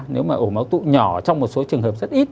nếu mà ổ máu tụ nhỏ trong một số trường hợp rất ít